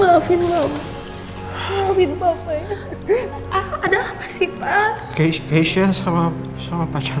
maafin maafin papa ya ada apa sih pak keisyah sama sama pacar